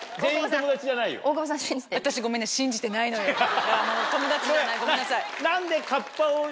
友達じゃないごめんなさい。